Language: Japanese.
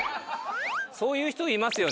そういう人いますよね